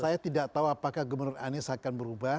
saya tidak tahu apakah gubernur anies akan berubah